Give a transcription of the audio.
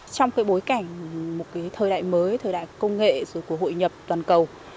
trong bối cảnh một thời đại mới thời đại công nghệ hội nhập toàn cầu